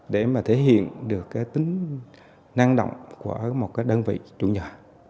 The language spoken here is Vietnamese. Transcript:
để mà thể hiện được cái tính năng động của một cái đơn vị trụ nhỏ